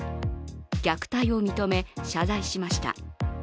虐待を認め、謝罪しました。